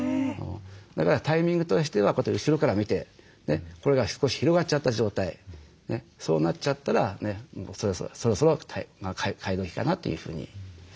だからタイミングとしてはこうやって後ろから見てこれが少し広がっちゃった状態そうなっちゃったらそろそろ替え時かなというふうに。